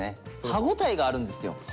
歯応えがあるんですよ。